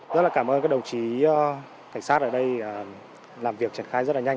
rất là cảm ơn các đồng chí cảnh sát ở đây làm việc triển khai rất là nhanh